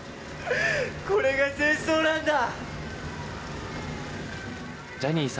これが戦争なんだ。